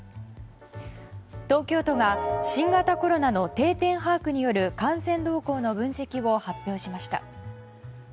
東京都が新型コロナの定点把握による感染動向の分析を発表しました。